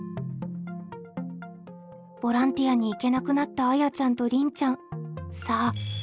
ボランティアに行けなくなったあやちゃんとりんちゃん。